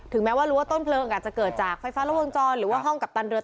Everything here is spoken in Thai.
แม้ว่ารู้ว่าต้นเพลิงอาจจะเกิดจากไฟฟ้าและวงจรหรือว่าห้องกัปตันเรือ